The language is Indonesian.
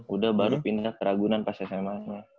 udah baru pindah ke ragunan pas sma nya